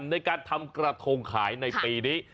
ในการทำกระทงขายในปีนี้